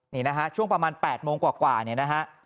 นี่นะฮะช่วงประมาณ๘โมงกว่าเนี่ยนะฮะ